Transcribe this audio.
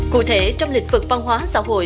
cụ thể trong lịch vực văn hóa xã hội